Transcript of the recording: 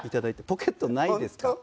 ポケットないですか？